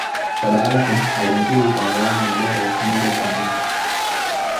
Baba yake alimtibu kwa gharama ya dola elfu moja kwa mwezi